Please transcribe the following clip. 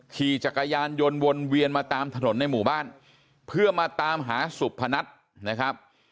ขี่จักรยานยนต์วนเวียนมาตามถนนในหมู่บ้านเพื่อมาตามหาสุพนัทนะครับ